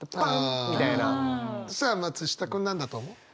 さあ松下君何だと思う？